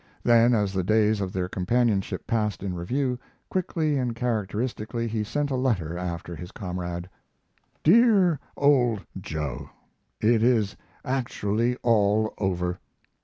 Then, as the days of their companionship passed in review, quickly and characteristically he sent a letter after his comrade: DEAR OLD JOE, It is actually all over!